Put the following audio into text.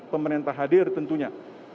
pemerintah hadir tentunya